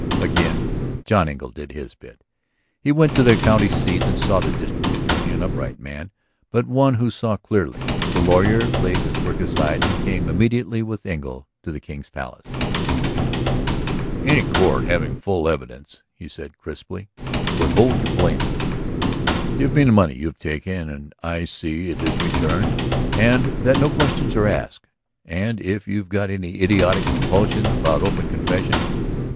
Again John Engle did his bit. He went to the county seat and saw the district attorney, an upright man, but one who saw clearly. The lawyer laid his work aside and came immediately with Engle to the King's Palace. "Any court, having the full evidence," he said crisply, "would hold you blameless. Give me the money you have taken; I shall see that it is returned and that no questions are asked. And if you've got any idiotic compulsion about open confession